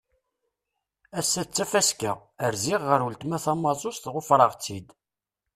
Ass-a d tafaska, rziɣ ɣer uletma tamaẓuẓt, ɣufreɣ-tt-id.